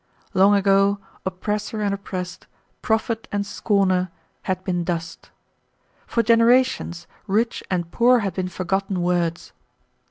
Long ago oppressor and oppressed, prophet and scorner, had been dust. For generations, rich and poor had been forgotten words.